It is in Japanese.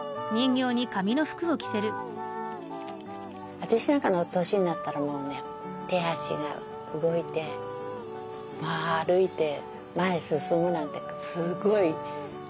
私なんかの年になったらもうね手足が動いて歩いて前に進むなんてすごいありがたい。